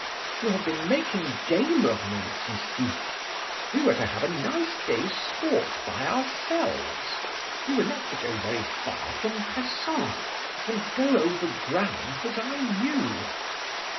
You have been making game of me, Sucy. We were to have a nice day's sport by ourselves; we were not to go very far from Cassan, and go over ground that I knew.